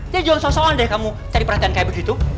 jadi jangan so soan deh kamu cari perhatian kayak begitu